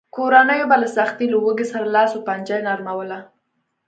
کورنیو به له سختې لوږې سره لاس و پنجه نرموله.